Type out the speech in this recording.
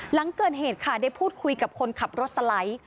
หลังเกิดเหตุค่ะได้พูดคุยกับคนขับรถสไลด์